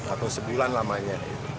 atau sebulan lamanya